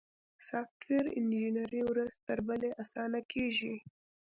سافټویر انجینري ورځ تر بلې اسانه کیږي.